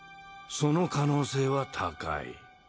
その可能性は高い。